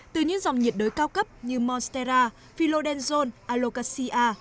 từ những dòng nhiệt đới cao cấp như monstera philodendron alocasia